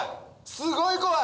すごい怖い！